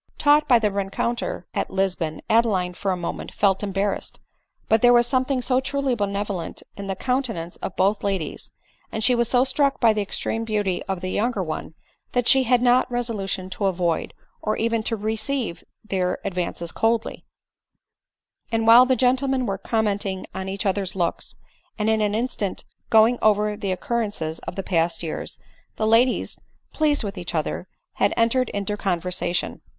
Taught by the rencontre at Lisbon, Adeline, for a mo* ment felt embarrassed ; but there was something so truly benevolent in the countenance of both ladies, and she was so struck by the extreme beauty of the younger one, that she had not resolution to avoid, or even to receive their advances coldly ; and while the gentlemen were commenting on each other's looks, and in an instant go ing over the occurrences of past years, the ladies, pleased with each other, had entered into conversation.